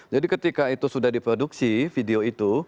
ketika itu sudah diproduksi video itu